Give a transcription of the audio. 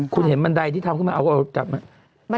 คุณเห็นบันไดที่ทำขึ้นมาเอาเอากลับมา